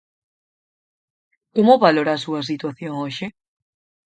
Como valora a súa situación hoxe?